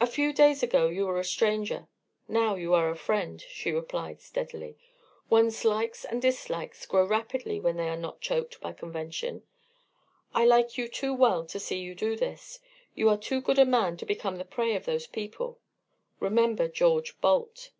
"A few days ago you were a stranger, now you are a friend," she replied, steadily. "One's likes and dislikes grow rapidly when they are not choked by convention. I like you too well to see you do this. You are too good a man to become the prey of those people. Remember George Balt."